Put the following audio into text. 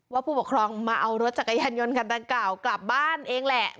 ว่าผู้ปกครองมาเอารถจักรยานยนต์กาลกลับบ้านเองแหละ